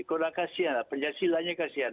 kodak kasihan lah pancasilanya kasihan